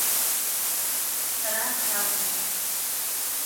Сара сакәзар…